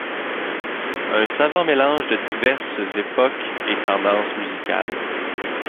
Un savant mélange de diverses époques et tendances musicales.